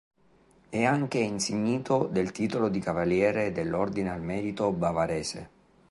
È anche insignito del titolo di cavaliere dell'Ordine al merito bavarese.